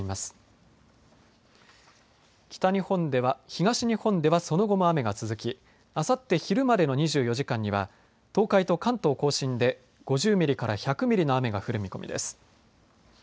東日本ではその後も雨が続きあさって昼までの２４時間には東海と関東甲信で５０ミリから１００ミリの雨が降る見込みです。